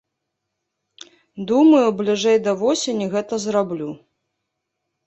Думаю, бліжэй да восені гэта зраблю.